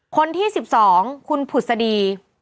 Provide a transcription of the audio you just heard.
คนที่๑๒คุณผุศดี